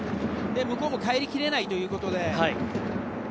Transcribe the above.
向こうも帰りきれないということで。